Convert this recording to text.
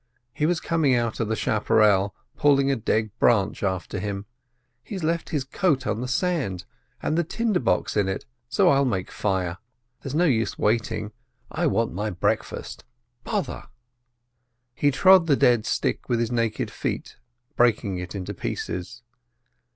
He was coming out of the chapparel pulling a dead branch after him. "He's left his coat on the sand, and the tinder box in it, so I'll make the fire. There's no use waiting. I want my breakfast. Bother——" He trod the dead stick with his naked feet, breaking it into pieces.